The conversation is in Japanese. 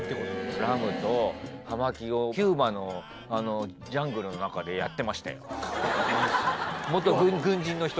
ラムと葉巻をキューバのジャングルの中でやってましたよ。